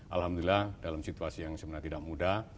alhamdulillah dalam situasi yang sebenarnya tidak mudah